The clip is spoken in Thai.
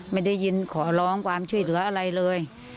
ไม่ได้ยินขอร้องความช่วยเหลืออะไรเลย